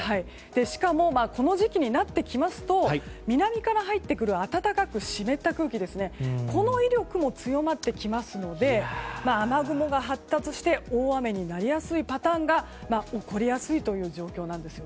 しかもこの時期になってきますと南から入ってくる暖かく湿った空気この威力も強まってきますので雨雲が発達して大雨になりやすいパターンが起こりやすいという状況なんです。